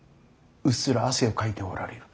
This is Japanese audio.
うっすら汗をかいておられる。